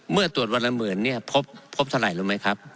เมื่อตรวจวันละหมื่นเนี่ยพบเท่าไหร่รู้ไหมครับ